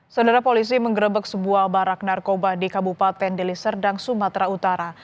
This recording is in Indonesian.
saudara polisi menggerebek sebuah barak narkoba di kabupaten deli serdang sumatera utara